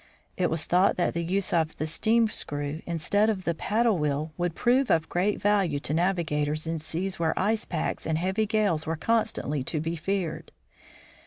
It was thought that the use of the steam screw instead of the paddle wheel would prove of great value to navigators in seas where ice packs and heavy gales were constantly to be feared.